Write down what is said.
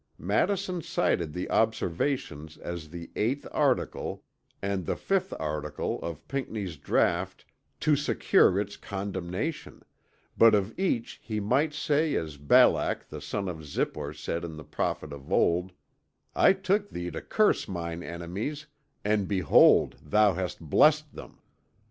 Madison cited the Observations and the eighth article and the fifth article of Pinckney's draught to secure its condemnation; but of each he might say as Balak the son of Zippor said to the prophet of old, "I took thee to curse mine enemies and behold thou hast blessed them!"